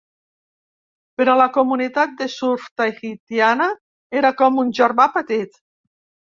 Per a la comunitat de surf tahitiana era com un germà petit.